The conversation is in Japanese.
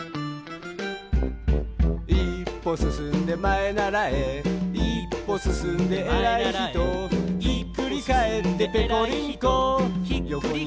「いっぽすすんでまえならえ」「いっぽすすんでえらいひと」「ひっくりかえってぺこり